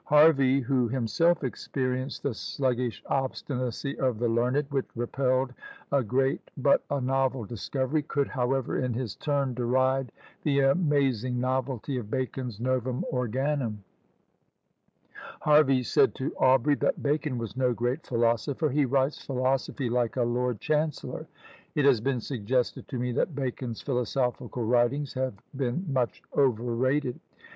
Harvey, who himself experienced the sluggish obstinacy of the learned, which repelled a great but a novel discovery, could, however, in his turn deride the amazing novelty of Bacon's Novum Organum. Harvey said to Aubrey, that "Bacon was no great philosopher; he writes philosophy like a lord chancellor." It has been suggested to me that Bacon's philosophical writings have been much overrated.